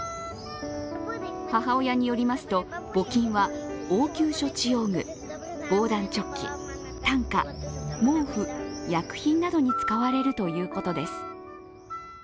母親によりますと、募金は応急処置用具、防弾チョッキ、担架、毛布、薬品などに使われるということです。